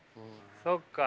そっか。